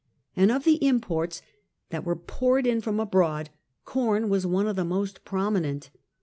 And of the imports that were poured in from abroad, corn was one of the most prominent.